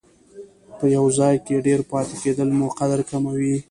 په یو ځای کې ډېر پاتې کېدل مو قدر کموي.